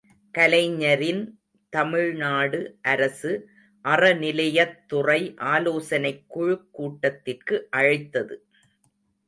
கலைஞரின் தமிழ்நாடு அரசு, அறநிலையத்துறை ஆலோசனைக் குழுக் கூட்டத்திற்கு அழைத்தது!